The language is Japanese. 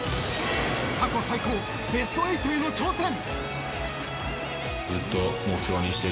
過去最高ベスト８への挑戦。